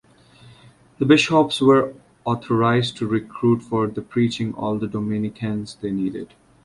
The bishops were authorized to recruit for the preaching all the Dominicans they needed.